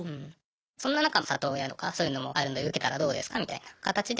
そんな中里親とかそういうのもあるんで受けたらどうですかみたいな形で。